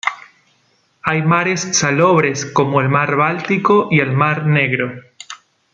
Hay mares salobres como el Mar báltico y el Mar negro.